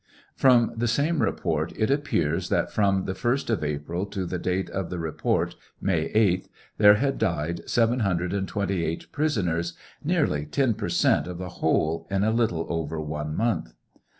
From the same report it appears that from the 1st of April up to the date of the report, May 8, there had died 728 prisoners, nearly ten per cent, of the whole in a little over one month.